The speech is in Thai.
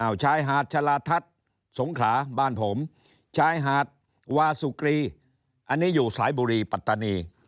ชายหาดชะลาทัศน์สงขลาบ้านผมชายหาดวาสุกรีอันนี้อยู่สายบุรีปัตตานี